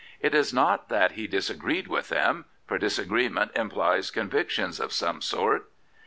It was not that he dis agreed with them, for disagreement implies con victions of some sort.